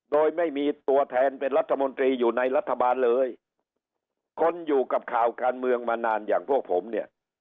โดยไม่มีตัวแทนเป็นรัฐมนตรีอยู่ในรัฐบาลเลยคนอยู่กับข่าวการเมืองมานานอย่างพวกผมเนี่ย